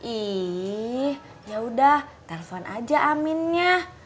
ih ya udah telpon aja aminnya